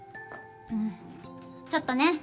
んちょっとね。